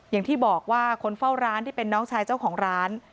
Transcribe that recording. อย่างที่บอกว่าคนเฝ้าร้านที่เป็นน้องชายเจ้าของร้าน